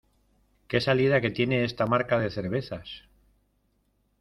¿Qué salida que tiene esta marca de cervezas?